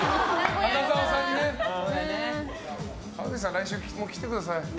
来週も来てください。